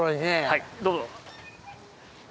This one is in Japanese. はいどうぞ。